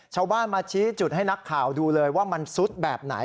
ชาวบ้านมาชี้จุดให้นักข่าวดูเลยว่ามันซุดแบบไหน